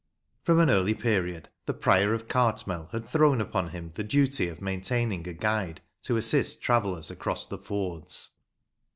From an early period the prior of Cartmel had thrown upon him the duty of maintaining a guide to assist travellers across the fords.